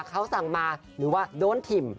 เขาสั่งมาหรือว่าโดนถิ่ม